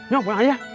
ya pulang aja